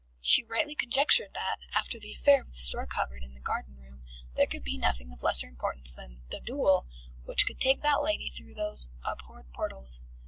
She rightly conjectured that, after the affair of the store cupboard in the garden room, there could be nothing of lesser importance than "the duel" which could take that lady through those abhorred portals.